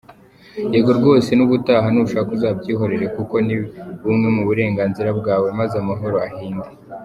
Yego rwose nubutaha nushaka uzabyihorere kuko nibumwe mu burenganzira bwawe, maze amahoro ahinde!